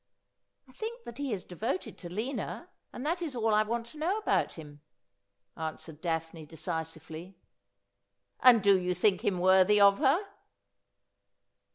' I think that he is devoted to Lina, and that is all I want to know about him,' answered Daphne decisively. ' And do you think him worthy of her?'